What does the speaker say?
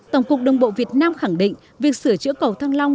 tổng cục đồng bộ việt nam khẳng định việc sửa chữa cầu thăng long